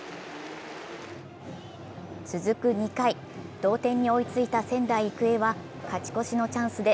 続く２回、同点に追いついた仙台育英は勝ち越しのチャンスで